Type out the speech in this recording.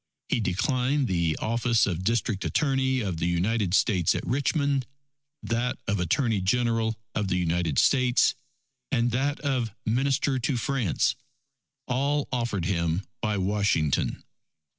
He declined the office of District Attorney of the United States at Richmond, that of Attorney General of the United States, and that of Minister to France, all offered him by Washington.